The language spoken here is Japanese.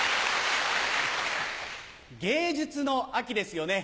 芸術の秋ですよね。